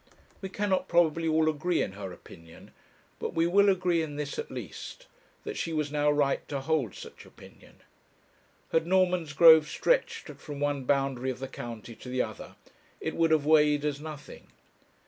We cannot, probably, all agree in her opinion; but we will agree in this, at least, that she was now right to hold such opinion. Had Normansgrove stretched from one boundary of the county to the other, it would have weighed as nothing.